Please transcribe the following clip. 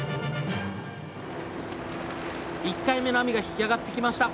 １回目の網が引き上がってきました。